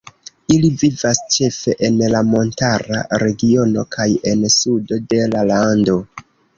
Ili vivas ĉefe en la montara regiono kaj en sudo de la lando.